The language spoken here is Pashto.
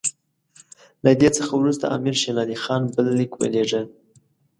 له دې څخه وروسته امیر شېر علي خان بل لیک ولېږه.